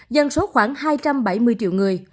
dân số khoảng hai trăm bảy mươi triệu người